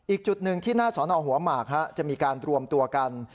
อีกจุดหนึ่งที่หน้าสอนอหัวหมากจะมีการรวมตัวกัน